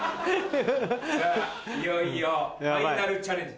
いよいよファイナルチャレンジ。